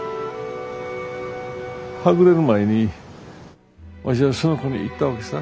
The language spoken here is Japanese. はぐれる前にわしはその子に言ったわけさ。